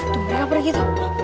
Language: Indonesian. tunggu mana pernikah kita